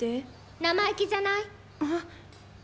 生意気じゃない？